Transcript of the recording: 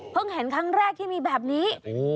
เพิ่งเห็นครั้งแรกได้มีแบบนี้